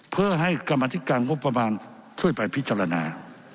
เพื่อให้กรรมธิการงบประมาณช่วยไปพิจารณา